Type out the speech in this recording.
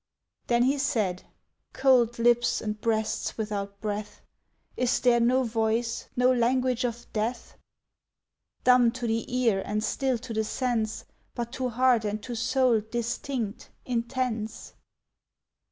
Then he said: "Cold lips, and breasts without breath, Is there no voice, no language of death, "Dumb to the ear and still to the sense, But to heart and to soul distinct, intense?